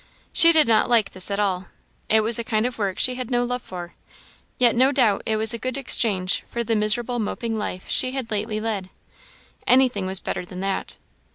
She did not like this at all; it was a kind of work she had no love for; yet no doubt it was a good exchange for the miserable moping life she had lately led. Any thing was better than that.